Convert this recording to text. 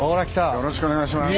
よろしくお願いします。